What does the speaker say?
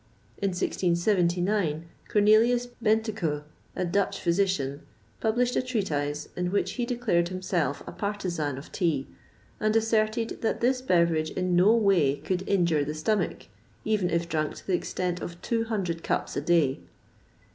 In 1679, Cornelius Bentekoe, a Dutch physician, published a treatise, in which he declared himself a partisan of tea, and asserted that this beverage in no way could injure the stomach, even if drank to the extent of two hundred cups a day.